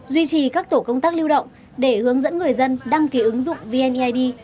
duy trì các tổ công tác lưu động để hướng dẫn người dân đăng ký ứng dụng vneid